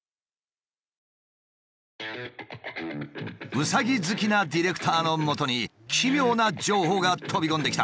ウサギ好きなディレクターのもとに奇妙な情報が飛び込んできた。